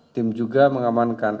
tim juga mengamankan rp seratus